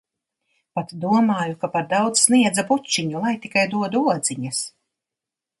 Pat domāju, ka par daudz sniedza bučiņu, lai tikai dodu odziņas.